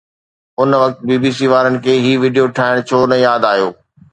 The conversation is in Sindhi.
ان وقت بي بي سي وارن کي هي وڊيو ٺاهڻ ڇو نه ياد آيو؟